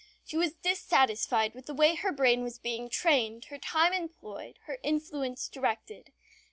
She was dissatisfied with the way her brain was being trained, her time employed, her influence directed.